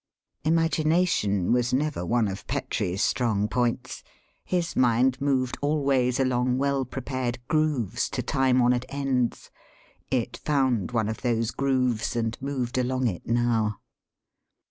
Imagination was never one of Petrie's strong points. His mind moved always along well prepared grooves to time honoured ends. It found one of those grooves and moved along it now.